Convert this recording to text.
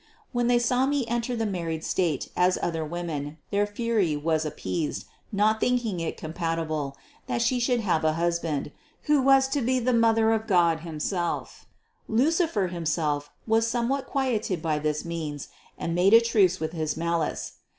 When they saw me enter the married state as other women, their fury was appeased, not thinking it compatible, that She should have a husband, who was to be the Mother of God himself; Lucifer himself was somewhat quieted by this means and made a truce with his malice.